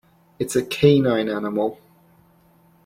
It's a canine animal.